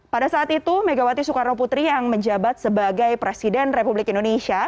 pada saat itu megawati soekarno putri yang menjabat sebagai presiden republik indonesia